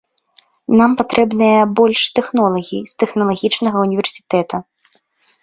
Нам патрэбныя больш тэхнолагі з тэхналагічнага ўніверсітэта.